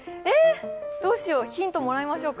どうしよう、ヒントもらいましょうか。